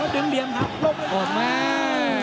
ออกมา